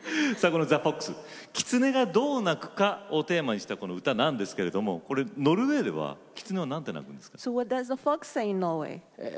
この「ＴｈｅＦｏｘ」「キツネがどう鳴くか」をテーマにしたこの歌なんですけれどもこれノルウェーではキツネは何て鳴くんですか？